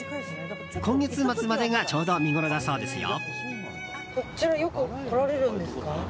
今月末までがちょうど見ごろだそうですよ。